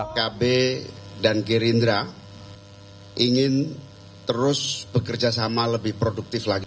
pkb dan gerindra ingin terus bekerja sama lebih produktif lagi